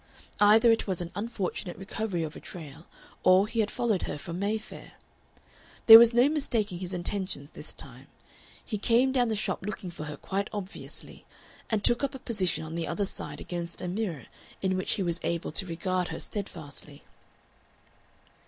Either it was an unfortunate recovery of a trail, or he had followed her from Mayfair. There was no mistaking his intentions this time. He came down the shop looking for her quite obviously, and took up a position on the other side against a mirror in which he was able to regard her steadfastly.